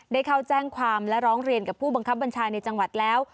ได้เข้าแจ้งความและร้องเรียนกับผู้บังคับบัญชาในจังหวัดแล้ว